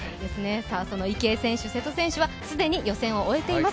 その池江選手、瀬戸選手は既に予選を終えています。